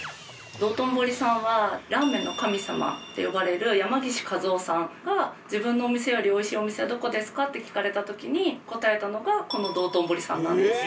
道頓堀さんはラーメンの神様って呼ばれる山岸一雄さんが自分のお店より美味しいお店はどこですか？って聞かれた時に答えたのがこの道頓堀さんなんです。